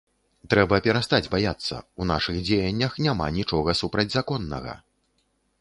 Трэба перастаць баяцца, у нашых дзеяннях няма нічога супрацьзаконнага.